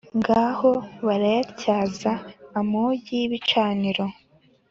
ngaho barayatyaza amugi y’ibicaniro,